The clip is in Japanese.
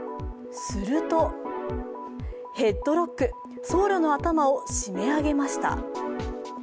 するとヘッドロック、僧侶の頭を締め上げました。